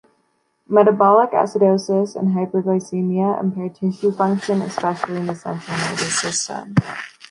Metabolic acidosis and hypoglycemia impair tissue function, especially in the central nervous system.